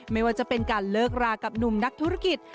ไม่ว่าจะเป็นการเลิกรากับหนุ่มนักธุรกิจ